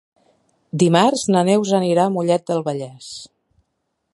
Dimarts na Neus anirà a Mollet del Vallès.